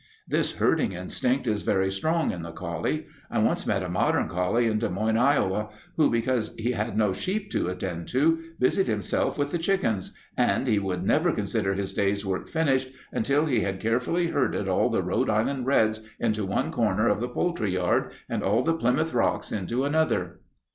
"This herding instinct is very strong in the collie. I once met a modern collie in Des Moines, Iowa, who, because he had no sheep to attend to, busied himself with the chickens, and he would never consider his day's work finished until he had carefully herded all the Rhode Island Reds into one corner of the poultry yard, and all the Plymouth Rocks into another.